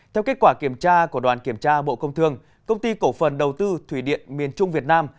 theo kết quả kiểm tra của đoàn kiểm tra bộ công thương công ty cổ phần đầu tư thủy điện miền trung việt nam